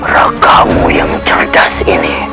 raka mu yang cerdas ini